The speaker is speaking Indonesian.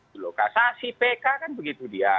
delokasasi pk kan begitu dia